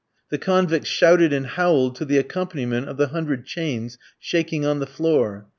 The convicts shouted and howled to the accompaniment of the hundred chains shaking on the floor.